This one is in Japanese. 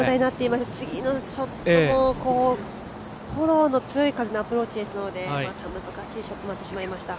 次のショットもフォローの強い風のアプローチですので難しいショットになってしまいました。